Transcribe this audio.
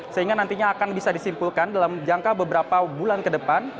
sehingga nantinya akan bisa disimpulkan dalam jangka beberapa bulan ke depan